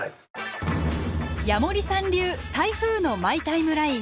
矢守さん流台風のマイ・タイムライン。